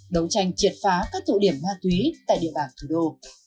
đấu tranh triệt phá các tụ điểm ma túy tại địa bàn thủ đô